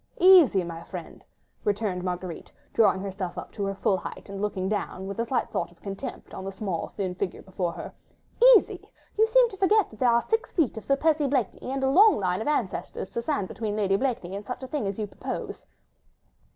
"Easy, my friend," retorted Marguerite, drawing herself up to her full height and looking down, with a slight thought of contempt on the small, thin figure before her. "Easy! you seem to forget that there are six feet of Sir Percy Blakeney, and a long line of ancestors to stand between Lady Blakeney and such a thing as you propose."